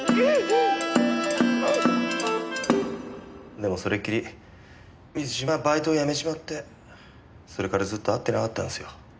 でもそれっきり水嶋はバイトを辞めちまってそれからずっと会ってなかったんすよ。